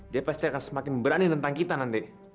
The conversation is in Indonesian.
dia pasti akan semakin berani tentang kita nanti